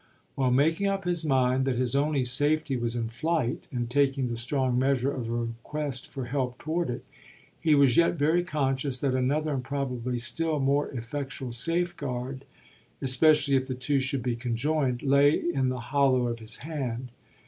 While making up his mind that his only safety was in flight and taking the strong measure of a request for help toward it, he was yet very conscious that another and probably still more effectual safeguard especially if the two should be conjoined lay in the hollow of his hand.